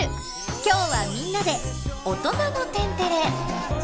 今日はみんなで「オトナの天てれ」。